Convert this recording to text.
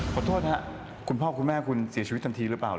ขอโทษนะค่ะกุญภาพคุณแม่คุณเสียชีวิตทันทีหรือเปล่า